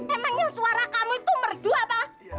emangnya suara kamu itu merdu apa